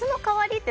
って